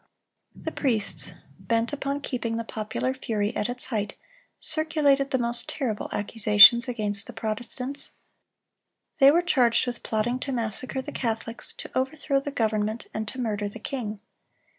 (338) The priests, bent upon keeping the popular fury at its height, circulated the most terrible accusations against the Protestants. They were charged with plotting to massacre the Catholics, to overthrow the government, and to murder the king.